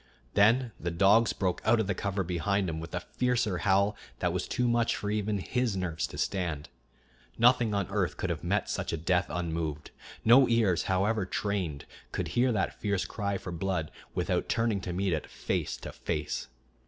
Then the dogs broke out of the cover behind him with a fiercer howl that was too much for even his nerves to stand. Nothing on earth could have met such a death unmoved. No ears, however trained, could hear that fierce cry for blood without turning to meet it face to face.